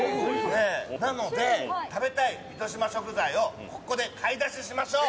なので食べたい糸島食材をここで買い出ししましょう。